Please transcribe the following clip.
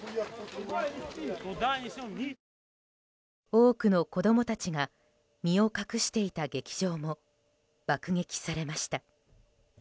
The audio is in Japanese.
多くの子供たちが身を隠していた劇場も爆撃されました。